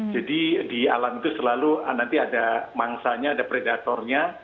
jadi di alam itu selalu nanti ada mangsanya ada predatornya